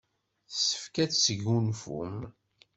Yessefk ad tesgunfum.